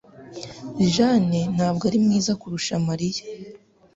Jane ntabwo ari mwiza kurusha Mariya